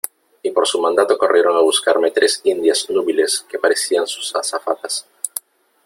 y por su mandato corrieron a buscarme tres indias núbiles que parecían sus azafatas .